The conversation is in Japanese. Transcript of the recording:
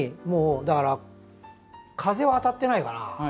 もうだから風は当たってないかな。